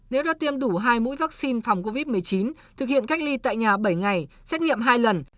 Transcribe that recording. nếu đã tiêm đủ hai mũi vaccine phòng covid một mươi chín thực hiện cách ly tại nhà bảy ngày xét nghiệm hai lần